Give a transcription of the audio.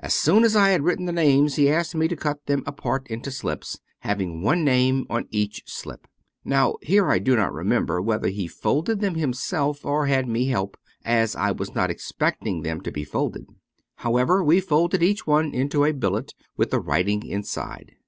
As soon as I had written the names he asked me to cut them apart into slips, having one name on each slip. Now here I do not remember whether he folded them him self, or had me help, as I was not expecting them to be folded. However, we folded each one into a billet with the writing inside.